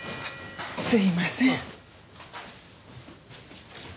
すいません。